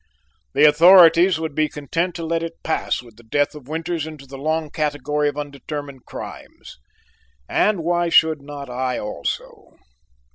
The authorities would be content to let it pass with the death of Winters into the long category of undetermined crimes and why should not I also?